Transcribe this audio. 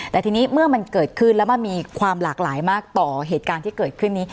แต่ทีนี้เมื่อมันเกิดขึ้นแล้วมันมีความหลากหลายมากต่อเหตุการณ์ที่เกิดขึ้นนี้